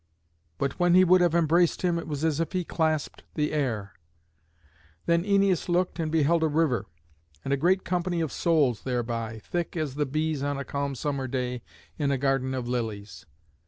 But when he would have embraced him it was as if he clasped the air. Then Æneas looked and beheld a river, and a great company of souls thereby, thick as the bees on a calm summer day in a garden of lilies.